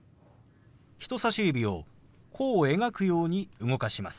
人さし指を弧を描くように動かします。